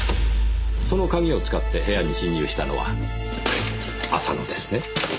その鍵を使って部屋に侵入したのは浅野ですね？